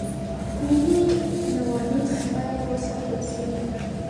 ملي نواميس بايد وساتل شي.